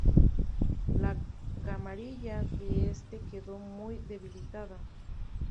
La camarilla de este quedó muy debilitada.